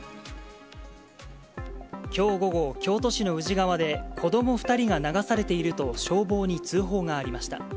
きょう午後、京都市の宇治川で、子ども２人が流されていると消防に通報がありました。